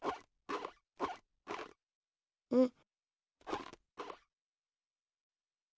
うん？